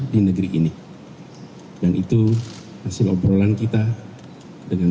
di negeri ini dan itu hasil obat obatan yang akan kita lakukan